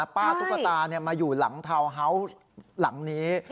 ตุ๊กตามาอยู่หลังทาวน์เฮาส์หลังนี้